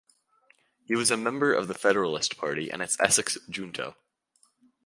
He was a member of the Federalist Party and its Essex Junto.